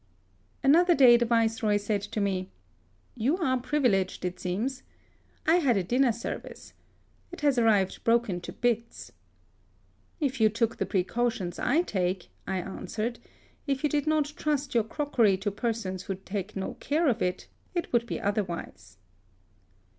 Another day the Viceroy said to me, "You are privileged, it seems. I had a dinner service. It has arrived broken to bits." " If you took the precautions I take," I answered — "if you did not trust your 46 HISTORY OF crockery to persons who take no care of it — it would be otherwise."